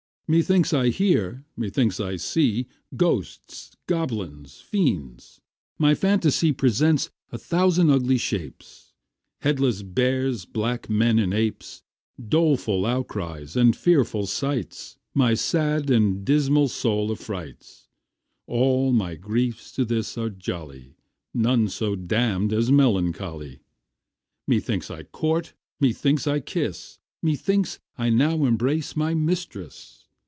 Methinks I hear, methinks I see Ghosts, goblins, fiends; my phantasy Presents a thousand ugly shapes, Headless bears, black men, and apes, Doleful outcries, and fearful sights, My sad and dismal soul affrights. All my griefs to this are jolly, None so damn'd as melancholy. Methinks I court, methinks I kiss, Methinks I now embrace my mistress.